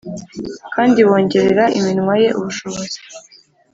kandi wongerera iminwa ye ubushobozi